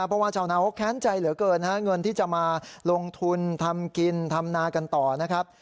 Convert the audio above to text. เพราะว่าชาวนาเขาแค้นใจเหลือเกินเงินที่จะมาลงทุนทำกินทำนากันต่อนะครับ